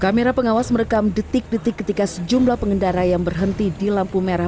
kamera pengawas merekam detik detik ketika sejumlah pengendara yang berhenti di lampu merah